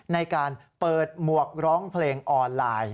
ในการเปิดหมวกร้องเพลงออนไลน์